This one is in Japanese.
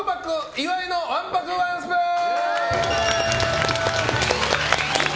岩井のわんぱくワンスプーン！